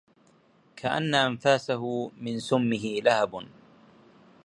كأن أنفاسه من سمه لهبٌ